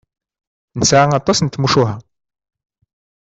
Nesɛa aṭas n tmucuha.